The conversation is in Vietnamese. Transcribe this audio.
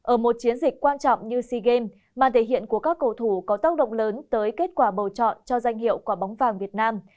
ở một chiến dịch quan trọng như sea games mà thể hiện của các cầu thủ có tác động lớn tới kết quả bầu chọn cho danh hiệu quả bóng vàng việt nam